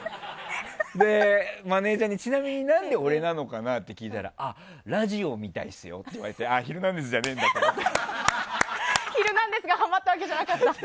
で、マネジャーにちなみに何で俺なのかなって聞いたらラジオみたいですよって言われて「ヒルナンデス！」じゃねえんだって。「ヒルナンデス！」がハマったわけじゃなかった。